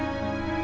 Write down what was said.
ini udah berakhir